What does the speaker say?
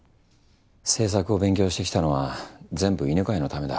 政策を勉強してきたのは全部犬飼のためだ。